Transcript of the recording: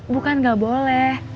bukan gak boleh